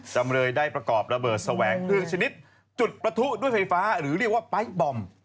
จำเลยได้ประกอบระเบิดแสวงเครื่องชนิดจุดประทุด้วยไฟฟ้าหรือเรียกว่าไป๊บอม